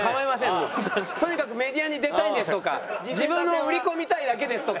とにかくメディアに出たいんですとか自分を売り込みたいだけですとか。